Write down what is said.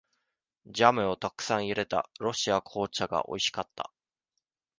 ジャムをたくさん入れた、ロシア紅茶がおいしかった。